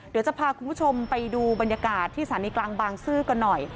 เดี๋ยวจะพาคุณผู้ชมไปดูบรรยากาศที่สถานีกลางบางซื่อกันหน่อย